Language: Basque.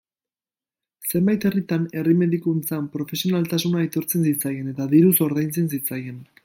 Zenbait herritan, herri-medikuntzan, profesionaltasuna aitortzen zitzaien eta diruz ordaintzen zitzaien.